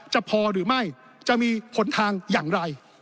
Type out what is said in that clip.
จะพอหรือไม่จะมีผลทางอย่างไร